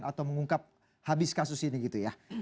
atau mengungkap habis kasus ini gitu ya